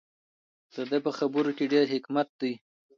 د ده په خبرو کې ډېر حکمت دی.